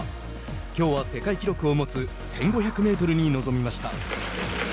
きょうは、世界記録を持つ１５００メートルに臨みました。